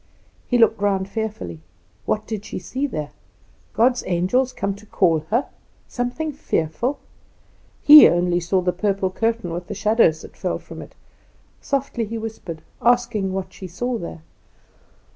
He looked round fearfully. What did she see there? God's angels come to call her? Something fearful? He saw only the purple curtain with the shadows that fell from it. Softly he whispered, asking what she saw there.